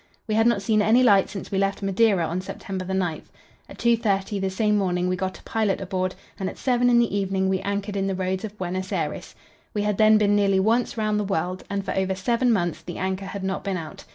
We had not seen any light since we left Madeira on September 9. At 2.30 the same morning we got a pilot aboard, and at seven in the evening we anchored in the roads of Buenos Aires. We had then been nearly once round the world, and for over seven months the anchor had not been out.